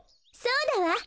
そうだわ。